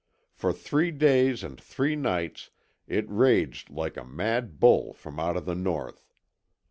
For three days and three nights it raged like a mad bull from out of the north.